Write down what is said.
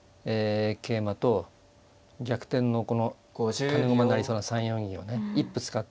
桂馬と逆転のこの種駒になりそうな３四銀をね一歩使って。